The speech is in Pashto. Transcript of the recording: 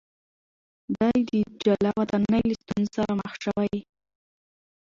ده د جلاوطنۍ له ستونزو سره مخ شوی.